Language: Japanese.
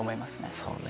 そうね